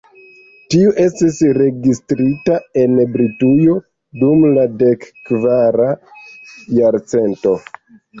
Tiu estas registrita en Britujo dum la dek kvara jarcento.